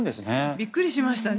びっくりしましたね。